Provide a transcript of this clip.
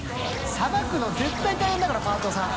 さばくの絶対大変だろパートさん。